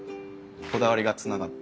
こだわりがつながって。